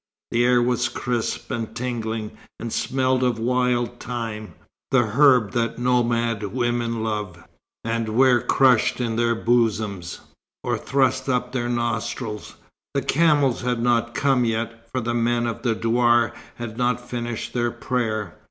The air was crisp and tingling, and smelled of wild thyme, the herb that nomad women love, and wear crushed in their bosoms, or thrust up their nostrils. The camels had not come yet, for the men of the douar had not finished their prayer.